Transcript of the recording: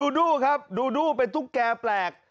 ดูดูครับดูดูเป็นตุ๊กแก่แปลก